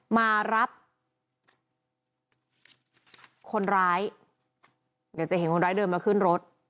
มารับคนร้ายเดี๋ยวจะเห็นคนร้ายเดินมาขึ้นรถ